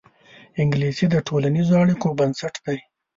انګلیسي د ټولنیزو اړیکو بنسټ دی